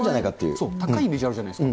そう、高いイメージあるじゃないですか。